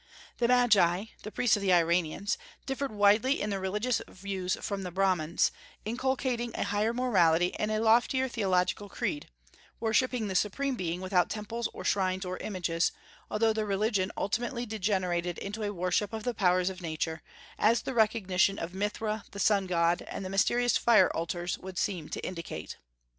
The Magi the priests of the Iranians differed widely in their religious views from the Brahmans, inculcating a higher morality and a loftier theological creed, worshipping the Supreme Being without temples or shrines or images, although their religion ultimately degenerated into a worship of the powers of Nature, as the recognition of Mithra the sun god and the mysterious fire altars would seem to indicate.